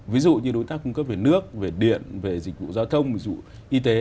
ví dụ như đối tác cung cấp về nước về điện về dịch vụ giao thông ví dụ y tế